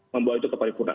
membuat itu ke paripurna